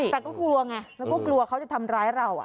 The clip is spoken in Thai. แต่ก็กลัวไงแล้วก็กลัวเขาจะทำร้ายเรา